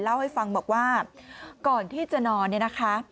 เล่าให้ฟังบอกว่าก่อนที่จะนอนเนี่ยนะคะ